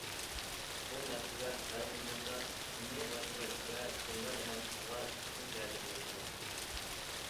بۇ مەسىلىلەر ھەل قىلىنمىسا، دىننى باشقۇرۇش ۋە دىنلار ئىناقلىقىغا چوقۇم تەسىر كۆرسىتىدۇ.